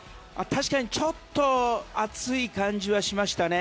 確かにちょっと暑い感じはしましたね。